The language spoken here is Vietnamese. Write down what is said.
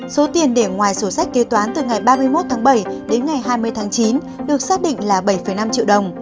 số tiền để ngoài sổ sách kế toán từ ngày ba mươi một tháng bảy đến ngày hai mươi tháng chín được xác định là bảy năm triệu đồng